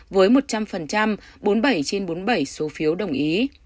với một trăm linh bốn mươi bảy trên bốn mươi bảy số phiếu đồng ý